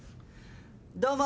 どうも！